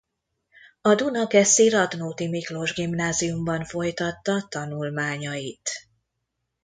A dunakeszi Radnóti Miklós Gimnáziumban folytatta tanulmányait.